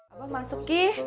abah masuk ki